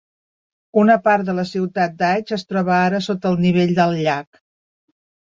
Una part de la ciutat d'Aitch es troba ara sota el nivell del llac.